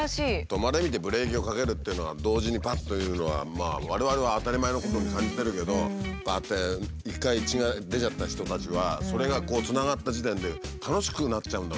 「止まれ」見てブレーキをかけるっていうのは同時にパッというのはまあ我々は当たり前のことに感じてるけどこうやって一回血が出ちゃった人たちはそれがつながった時点で楽しくなっちゃうんだろうね